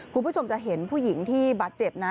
คุณผู้ชมจะเห็นผู้หญิงที่บาดเจ็บนะ